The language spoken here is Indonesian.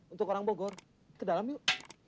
untuk orang bogor kedalam yuk